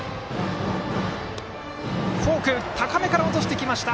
フォーク高めから落としてきました。